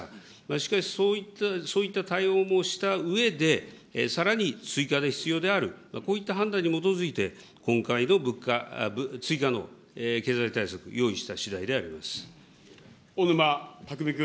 しかし、そういった対応もしたうえで、さらに追加で必要である、こういった判断に基づいて、今回の物価、追加の経済対策、小沼巧君。